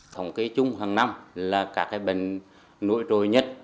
thống ký chung hàng năm là các cái bệnh nỗi trôi nhất